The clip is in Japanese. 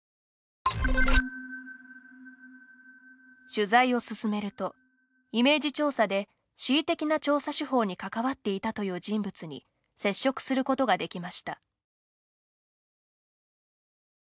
取材を進めるとイメージ調査で恣意的な調査手法に関わっていたという人物に接触することができました。